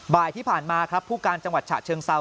บ่ายที่ผ่านมาครับผู้การจังหวัดฉะเชิงเซา